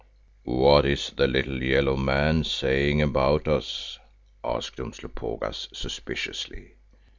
"What is the little yellow man saying about us?" asked Umslopogaas suspiciously.